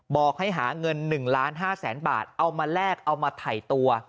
บอกให้หาเงิน๑๕๐๐๐๐๐บาทเอามาแลกเอามาไถ่ตัว